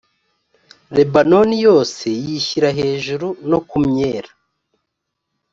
lebanoni yose yishyira hejuru no ku myela